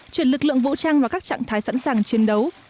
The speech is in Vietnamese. chuyển lực lượng vũ trang vào các trạng thái sẵn sàng chiến đấu